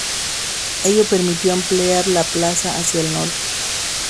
Ello permitió ampliar la plaza hacia el norte.